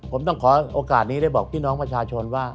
ผมต้องขอโอกาสนี้ได้บอกพี่น้องประชาชนว่า